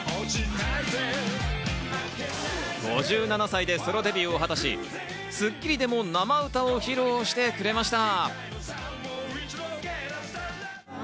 ５７歳でソロデビューを果たし、『スッキリ』でも生歌を披露してくれました。